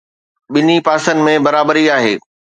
ٻنهي پاسن ۾ برابري آهي.